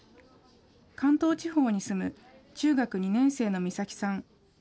関東地方に住む中学２年生の美咲さん。